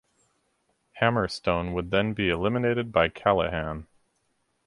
Hammerstone would then be eliminated by Callihan.